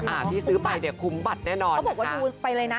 อ่าที่ซื้อไปเนี่ยคุ้มบัตรแน่นอนเขาบอกว่าดูไปเลยนะ